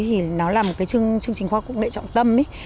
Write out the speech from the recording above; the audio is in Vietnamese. thì nó là một cái chương trình khoa học công nghệ trọng tâm